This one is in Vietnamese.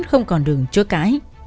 không còn đường chối cãi